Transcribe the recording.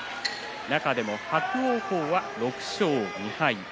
中でも伯桜鵬は６勝２敗。